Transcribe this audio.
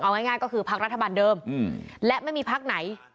เอาง่ายงานก็คือภักดิ์รัฐบาลเดิมอืมและไม่มีภักดิ์ไหน